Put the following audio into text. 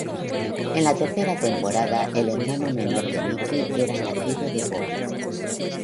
En la tercera temporada el hermano menor de Nikki era nacido de Bobby.